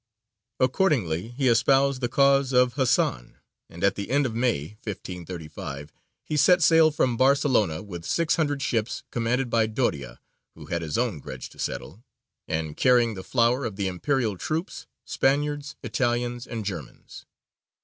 Accordingly he espoused the cause of Hasan, and at the end of May, 1535, he set sail from Barcelona with six hundred ships commanded by Doria (who had his own grudge to settle), and carrying the flower of the Imperial troops, Spaniards, Italians, and Germans.